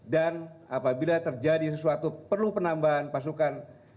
dan apabila terjadi sesuatu perlu penambahan pasukan